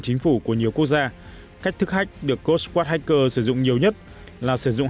chính phủ của nhiều quốc gia cách thức hack được ghost squad hacker sử dụng nhiều nhất là sử dụng